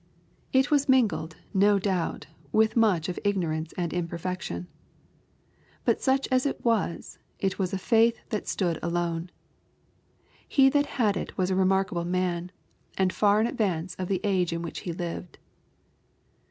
It was mingled, no doubt. LUKE, CHAP. IX. 807 with much of ignorance and imperfection. But such aa it was, it was a faith that stood alone. He that had it was a remarkahle man^ and far in advance of the age in which he lived.